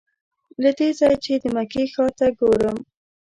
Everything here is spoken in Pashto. له دې ځایه چې د مکې ښار ته ګورم.